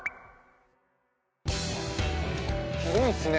すごいですね。